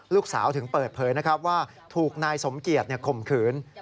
ลูกสาวถึงเปิดเผยนะครับว่าถูกนายสมเกียจข่มขืน